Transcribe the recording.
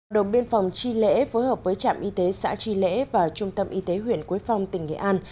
đồn biên phòng tri lễ phối hợp với trạm y tế xã tri lễ và trung tâm y tế huyện quế phong tỉnh nghệ an